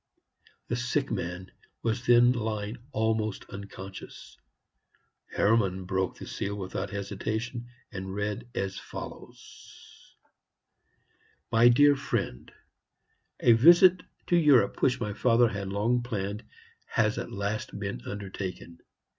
The sick man was then lying almost unconscious. Hermann broke the seal without hesitation, and read as follows: "MY DEAR FRIEND, A visit to Europe which my father had long planned has at last been undertaken.